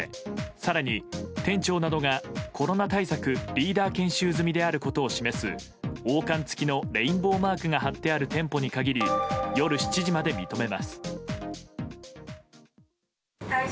更に店長などがコロナ対策リーダー研修済みであることを示す王冠つきのレインボーマークが貼っている店舗に限り夜７時まで認めます。